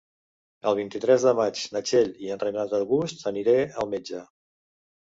El vint-i-tres de maig na Txell i en Renat August aniré al metge.